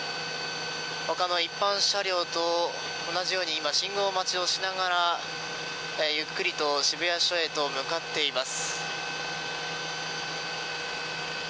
他の一般車両と同じように今、信号待ちをしながらゆっくりと渋谷署へと向かっています。